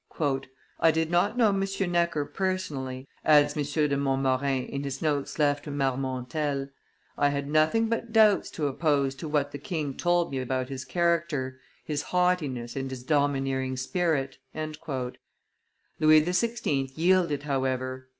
"I did not know M. Necker personally," adds M. de Montmorin in his notes left to Marmontel; "I had nothing but doubts to oppose to what the king told me about his character, his haughtiness, and his domineering spirit." Louis XVI. yielded, however.